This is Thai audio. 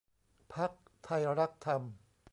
พรรคไทรักธรรม